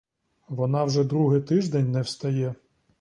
Вона вже другий тиждень не встає.